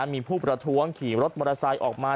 มีผู้ประท้วงขี่รถมอเตอร์ไซค์ออกมา